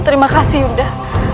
terima kasih yunda